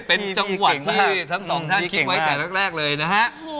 เป็นจังหวัดที่ทั้งสองท่านคิดไว้แต่แรกเลยนะฮะ